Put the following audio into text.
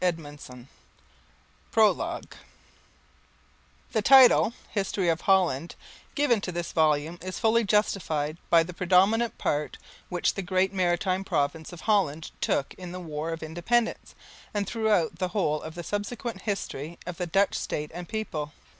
PROLOGUE The title, "History of Holland," given to this volume is fully justified by the predominant part which the great maritime province of Holland took in the War of Independence and throughout the whole of the subsequent history of the Dutch state and people.